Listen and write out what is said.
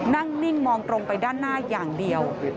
นิ่งมองตรงไปด้านหน้าอย่างเดียว